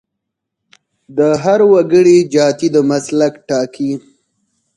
د هر وګړي جاتي د مسلک ټاکي.